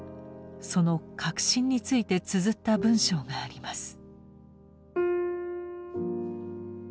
その核心についてつづった文章があります。